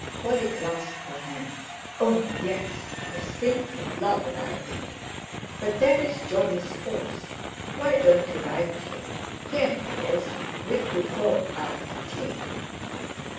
Holly clasped her hands. "Oh yes! I simply love riding. But there's Jolly's horse; why don't you ride him? Here he is. We could go after tea."